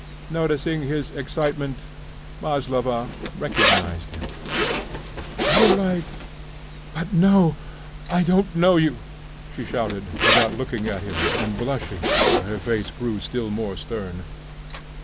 Noticing his excitement, Maslova recognised him. "You're like ... but no; I don't know you," she shouted, without looking at him, and blushing, while her face grew still more stern.